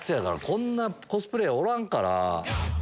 こんなコスプレーヤーおらんから。